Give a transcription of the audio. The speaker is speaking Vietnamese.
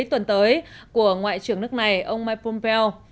tuần tới của ngoại trưởng nước này ông mike pompeo